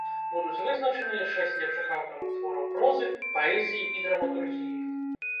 Будуць вызначаныя шэсць лепшых аўтараў твораў прозы, паэзіі і драматургіі.